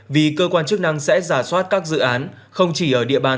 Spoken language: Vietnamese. vì cơ quan chức năng sẽ giả soát các dự án không chỉ ở địa bàn